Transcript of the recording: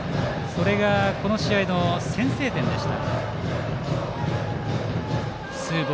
それがこの試合の先制点でした。